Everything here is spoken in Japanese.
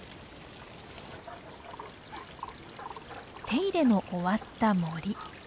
手入れの終わった森。